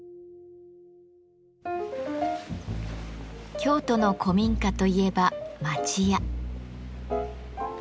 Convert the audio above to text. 京都の古民家といえば「町家」。